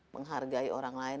menghargai orang lain